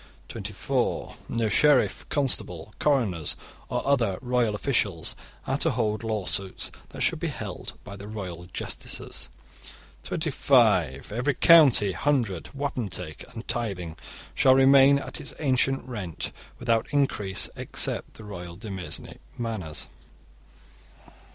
(24) No sheriff, constable, coroners, or other royal officials are to hold lawsuits that should be held by the royal justices. (25) Every county, hundred, wapentake, and tithing shall remain at its ancient rent, without increase, except the royal demesne manors.